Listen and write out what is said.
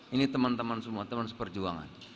ini teman teman semua teman seperjuangan